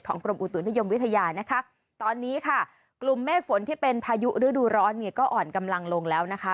กรมอุตุนิยมวิทยานะคะตอนนี้ค่ะกลุ่มเมฆฝนที่เป็นพายุฤดูร้อนเนี่ยก็อ่อนกำลังลงแล้วนะคะ